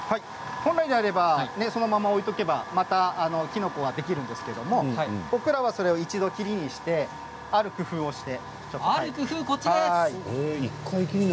本来であればそのまま置いておけば、またきのこができるんですけれどもここではそれを一度きりにしてある工夫をしています。